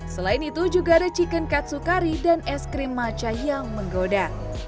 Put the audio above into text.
selain itu juga ada chicken katsu curry dan es krim matcha yang menggoda